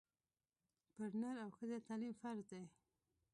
پر نر او ښځه تعلیم فرض دی